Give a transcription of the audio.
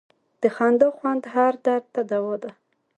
د خندا خوند هر درد ته دوا ده.